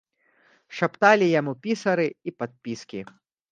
Шапталі яму пісары і падпіскі.